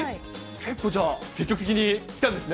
結構じゃあ、積極的にきたんですね。